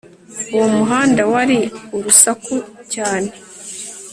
uwo muhanda wari urusaku cyane